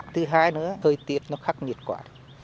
thứ hai nữa thời tiết nó khắc nhiệt quả